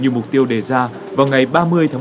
như mục tiêu đề ra vào ngày ba mươi tháng một mươi một